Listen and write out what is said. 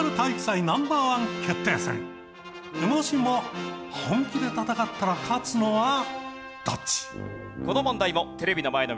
もしも本気で戦ったら勝つのはどっち？